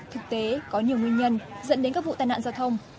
thực tế có nhiều nguyên nhân dẫn đến các vụ tai nạn giao thông